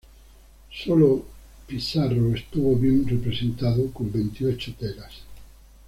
Solo Pissarro estuvo bien representado, con veintiocho telas.